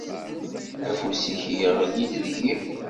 Afus-ik iɣli-d deg-i.